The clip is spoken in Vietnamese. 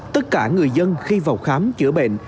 tất cả người dân khi vào khám chữa bệnh